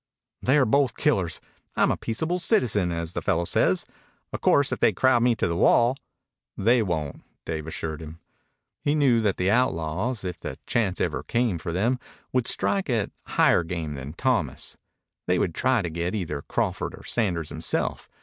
"They're both killers. I'm a peaceable citizen, as the fellow says. O' course if they crowd me to the wall " "They won't," Dave assured him. He knew that the outlaws, if the chance ever came for them, would strike at higher game than Thomas. They would try to get either Crawford or Sanders himself.